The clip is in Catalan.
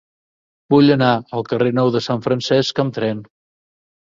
Vull anar al carrer Nou de Sant Francesc amb tren.